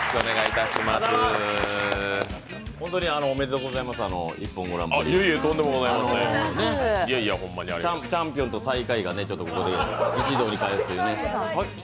本当におめでとうございます、「ＩＰＰＯＮグランプリ」チャンピオンと最下位がここで一堂に会すというね。